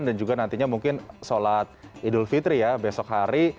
dan juga nantinya mungkin sholat idul fitri ya besok hari